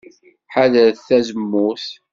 Ḥadret tazemmurt.